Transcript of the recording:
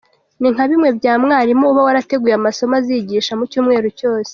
Ni nka bimwe bya mwarimu uba warateguye amasomo azigisha mu cyumweru cyose.